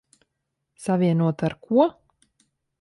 Savienota ar ko?